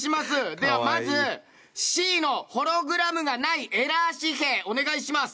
ではまずＣのホログラムがないエラー紙幣お願いします。